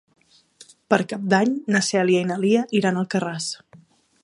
Per Cap d'Any na Cèlia i na Lia iran a Alcarràs.